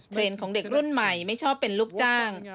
ของเด็กรุ่นใหม่ไม่ชอบเป็นลูกจ้าง